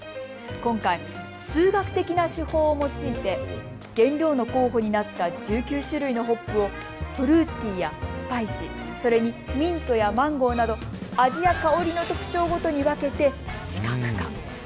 今回、数学的な手法を用いて原料の候補になった１９種類のホップをフルーティーやスパイシー、それにミントやマンゴーなど味や香りの特徴ごとに分けて視覚化。